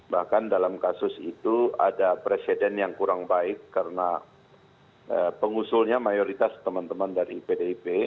bahkan dalam kasus itu ada presiden yang kurang baik karena pengusulnya mayoritas teman teman dari pdip